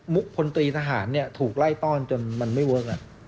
พลตรีทหารถูกไล่ต้อนจนมันไม่เวิร์ค